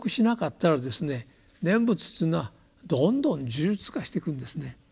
念仏というのはどんどん呪術化していくんですね。